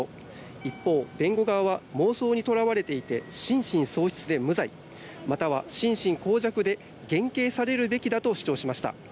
一方、弁護側は妄想にとらわれていて心神喪失で無罪または心神耗弱で減刑されるべきだと主張しました。